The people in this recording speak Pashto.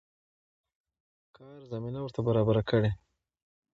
کار زمينه ورته برابره کړي.